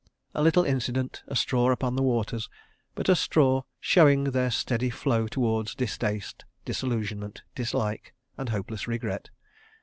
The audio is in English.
... A little incident, a straw upon the waters, but a straw showing their steady flow toward distaste, disillusionment, dislike, and hopeless regret.